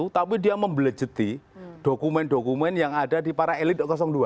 tapi dia membelejeti dokumen dokumen yang ada di para elit dua